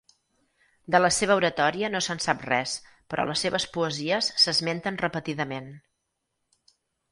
De la seva oratòria no se'n sap res, però les seves poesies s'esmenten repetidament.